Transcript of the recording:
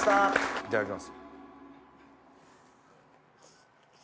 いただきます。